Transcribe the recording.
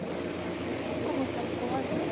コモちゃん怖いから。